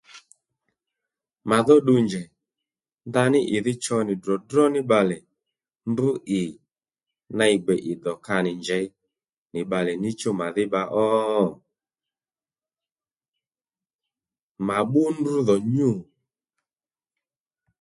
Mà dhó ddu njèy ndaní ì dhí cho nì dròdró ní bbalè mbr ì ney gbè ì dò ka nì njěy nì bbalè níchú màdhí bba ó? mà bbú ndrǔ dhò nyû